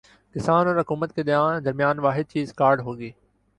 کسان اور حکومت کے درمیان واحد چیز کارڈ ہوگی